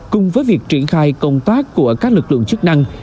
cùng với việc triển khai công tác của các lực lượng chức năng